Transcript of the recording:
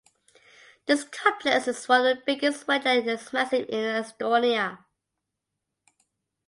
This complex is one of the biggest wetland massive in Estonia.